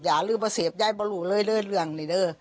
หรือว่าเซฟย้ายไม่รู้เลยเรื่องนี้เนี่ย